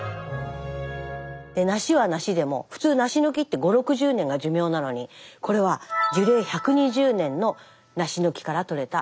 梨は梨でも普通梨の木って５０６０年が寿命なのにこれは樹齢１２０年の梨の木からとれた「長寿梨」。